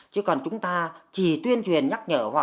chứ còn chúng ta chỉ tuyên truyền nhắc nhở